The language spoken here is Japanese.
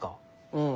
うん。